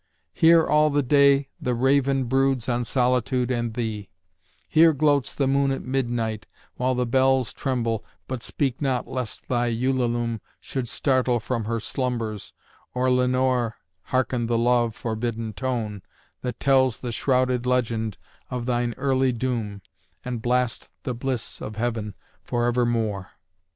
Here all the day The Raven broods on solitude and thee: Here gloats the moon at midnight, while the Bells Tremble, but speak not lest thy Ulalume Should startle from her slumbers, or Lenore Hearken the love forbidden tone that tells The shrouded legend of thine early doom And blast the bliss of heaven forevermore.